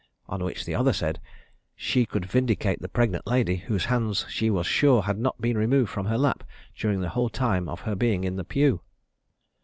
on which the other said, "She could vindicate the pregnant lady, whose hands she was sure had not been removed from her lap during the whole time of her being in the pew."